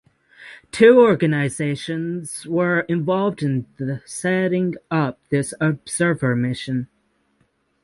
Two organisations were involved in setting up this observer mission.